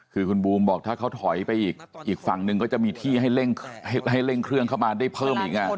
คือคุณบูมบอกถ้าเขาถอยไปอีกฝั่งหนึ่งก็จะมีที่ให้เร่งเครื่องเข้ามาได้เพิ่มอีก